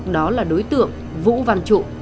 đó là đối tượng vũ văn trụ